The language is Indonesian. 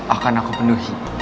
akan aku penuhi